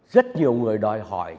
rất nhiều người đòi hỏi